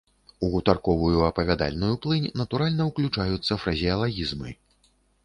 У гутарковую апавядальную плынь натуральна ўключаюцца фразеалагізмы.